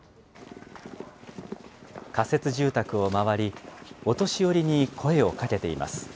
仮設住宅を回り、お年寄りに声をかけています。